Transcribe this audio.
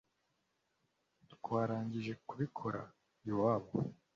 twarangije kubikora iwabo